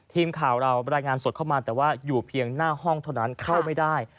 ทีมข่าวเรารายงานสดเข้ามาแต่ว่าอยู่เพียงหน้าห้องเท่านั้นเข้าไม่ได้